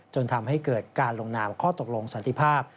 จนทำให้เกิดการลงนามข้อตกลงสันติภาพ